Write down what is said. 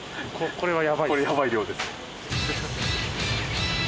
これはやばいですか？